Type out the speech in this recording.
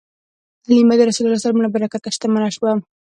حلیمه د رسول الله ﷺ له برکته شتمنه شوه.